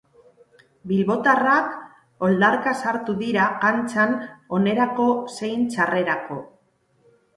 Bilbotarrak oldarka sartu dira kantxan onerako zein txarrerako.